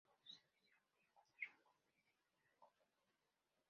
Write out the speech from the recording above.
Dejó su servicio activo con el rango de general coronel.